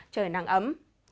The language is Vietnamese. trời nắng ấm